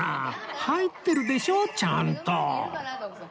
入ってるでしょちゃんと